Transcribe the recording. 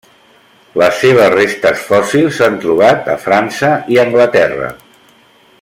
Les seves restes fòssils s'han trobat a França i Anglaterra.